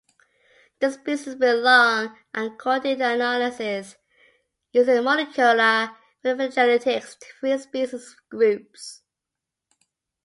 The species belong, according to analysis using molecular phylogenetics, to three species groups.